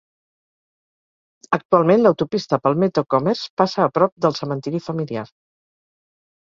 Actualment, l'autopista Palmetto Commerce passa a prop del cementiri familiar.